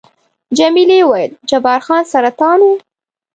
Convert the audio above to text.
جميلې وويل:، جبار خان سرطان وو؟